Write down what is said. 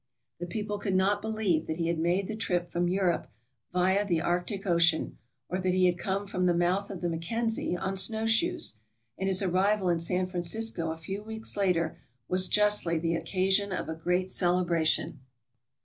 The people could not believe that he had made the trip from Europe via the Arctic Ocean, or that he had come from the mouth of the Mackenzie on snowshoes; and his arrival in San Francisco a few weeks later was justly the occasion of a great celebration.